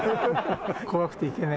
怖くて行けない。